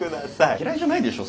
嫌いじゃないでしょ？